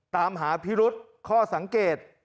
ตามหาพิรุษข้อสังเกต